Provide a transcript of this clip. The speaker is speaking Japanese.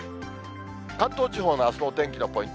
関東地方のあすのお天気のポイント。